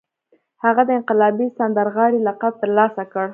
هغه د انقلابي سندرغاړي لقب ترلاسه کړ